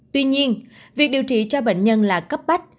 tuy nhiên việc điều trị cho bệnh nhân là cấp bách